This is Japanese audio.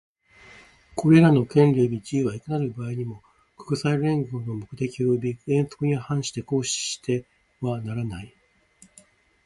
これらの権利及び自由は、いかなる場合にも、国際連合の目的及び原則に反して行使してはならない。